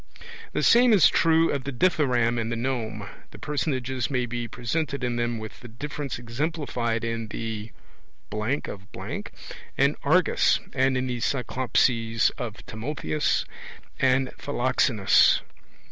The same is true of the Dithyramb and the Nome: the personages may be presented in them with the difference exemplified in the... of... and Argas, and in the Cyclopses of Timotheus and Philoxenus.